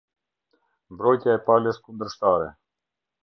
Mbrojtja e palës kundërshtare.